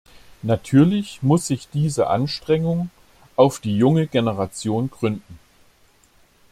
Natürlich muss sich diese Anstrengung auf die junge Generation gründen.